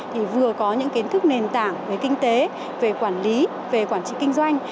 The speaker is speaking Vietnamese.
thì vừa có những kiến thức nền tảng về kinh tế về quản lý về quản trị kinh doanh